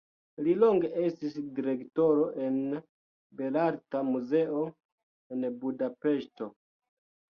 Li longe estis direktoro en Belarta Muzeo en Budapeŝto.